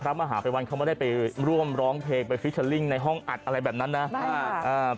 พระมหาไปวันเขาไม่ได้ไปร่วมร้องเพลงไปในห้องอัดอะไรแบบนั้นนะไม่ค่ะอ่า